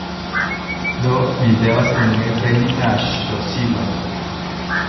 do mi devas unue preni la ŝlosilon